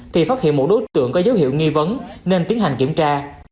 thì phát hiện một đối tượng có dấu hiệu nghi vấn nên tiến hành kiểm tra